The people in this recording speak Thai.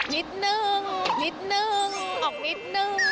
นิดหนึ่งนิดหนึ่งออกนิดหนึ่ง